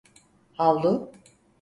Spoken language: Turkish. Havlu…